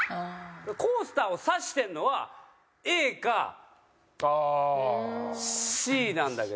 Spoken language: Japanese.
コースターを指してるのはＡかＣなんだけど。